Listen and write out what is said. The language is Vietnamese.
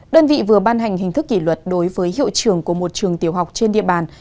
đơn vị vừa ban hành hình thức kỷ luật đối với hiệu trưởng của một trường tiểu học trên địa bàn